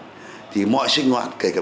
bom xong thì mọi sinh hoạt kể cả